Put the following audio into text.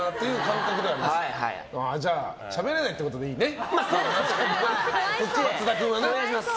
じゃあしゃべれないってことでいいね。